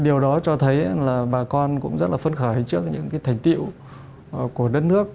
điều đó cho thấy bà con cũng rất là phân khởi trước những thành tiệu của đất nước